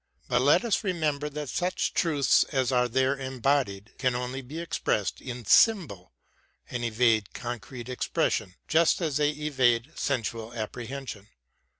But let us remember that such truths as are there embodied can only be expressed in symbol, and evade concrete expression just as they evade sensual apprehension.